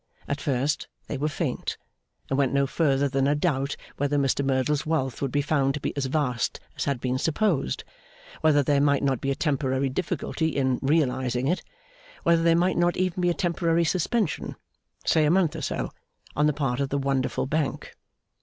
At first they were faint, and went no further than a doubt whether Mr Merdle's wealth would be found to be as vast as had been supposed; whether there might not be a temporary difficulty in 'realising' it; whether there might not even be a temporary suspension (say a month or so), on the part of the wonderful Bank.